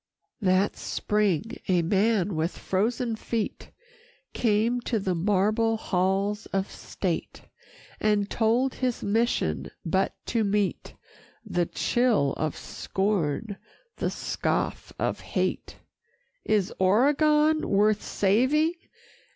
VIII That spring, a man with frozen feet Came to the marble halls of State, And told his mission but to meet The chill of scorn, the scoff of hate. "Is Oregon worth saving?"